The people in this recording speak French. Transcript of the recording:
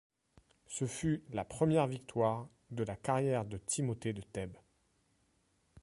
Ce fut la première victoire de la carrière de Timothée de Thèbes.